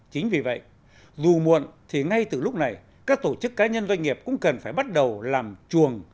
chính vì vậy dù muộn thì ngay từ lúc này các tổ chức cá nhân doanh nghiệp cũng cần phải bắt đầu làm chuồng